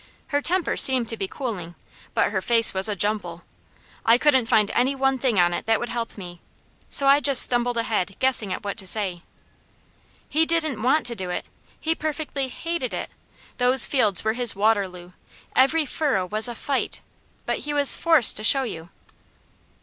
Her temper seemed to be cooling, but her face was a jumble. I couldn't find any one thing on it that would help me, so I just stumbled ahead guessing at what to say. "He didn't WANT to do it. He perfectly HATED it. Those fields were his Waterloo. Every furrow was a FIGHT, but he was FORCED to show you."